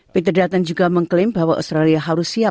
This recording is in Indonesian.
peterdaton juga mengklaim bahwa australia harus siap